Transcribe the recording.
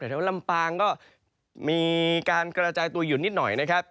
แถวลำปางก็มีการกระจายตัวอยู่นิดหน่อยนะครับ